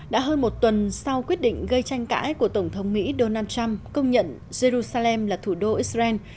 đã hơn một tuần sau quyết định gây tranh cãi của tổng thống mỹ donald trump công nhận jerusalem là thủ đô israel